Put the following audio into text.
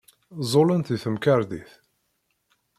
Ẓẓullent deg temkarḍit.